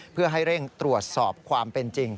เพื่อให้เร่งตรวจสอบความเป็นจริง